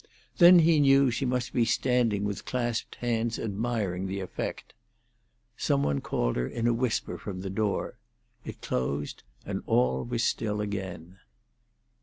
Then he knew she must be standing with clasped hands admiring the effect. Some one called her in whisper from the door. It closed, and all was still again.